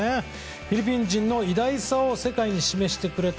フィリピン人の偉大さを世界に示してくれた。